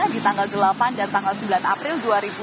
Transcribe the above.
di tanggal delapan dan tanggal sembilan april dua ribu dua puluh